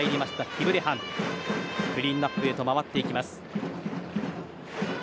クリーンアップへと回っていきます。